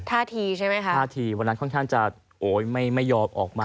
ท่าทีใช่ไหมคะท่าทีวันนั้นค่อนข้างจะโอ้ยไม่ยอมออกมา